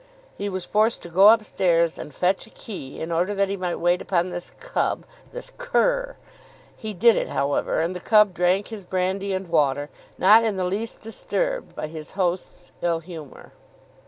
He was forced to go up stairs and fetch a key in order that he might wait upon this cub, this cur! He did it, however, and the cub drank his brandy and water, not in the least disturbed by his host's ill humour.